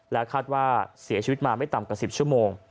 คาดว่าเสียชีวิตมาไม่ต่ำกว่า๑๐ชั่วโมง